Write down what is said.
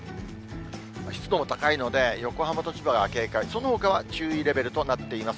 湿度も高いので、横浜と千葉が警戒、そのほかは注意レベルとなっています。